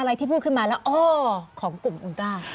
อะไรที่พูดขึ้นมาแล้วโอ้วของกลุ่มอุณตรา